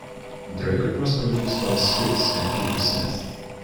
The record was produced by Squeeze and Peter Smith.